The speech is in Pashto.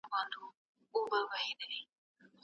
په واضحو الفاظو سره د نکاح د ارادې اظهار تصريحي خطبه ده